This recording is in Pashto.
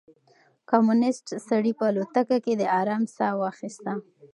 کمونيسټ سړي په الوتکه کې د ارام ساه واخيسته.